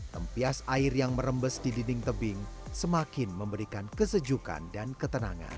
tempias air yang merembes di dinding tebing semakin memberikan kesejukan dan ketenangan